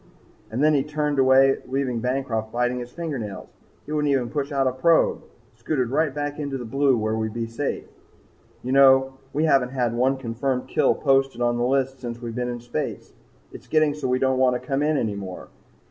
And then he turned away leaving Bancroft biting his fingernails. He wouldn't even push out a probe scooted right back into the blue where we'd be safe! "You know, we haven't had one confirmed kill posted on the list since we've been in space. It's getting so we don't want to come in any more.